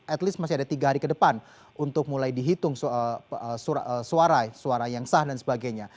at least masih ada tiga hari ke depan untuk mulai dihitung suara yang sah dan sebagainya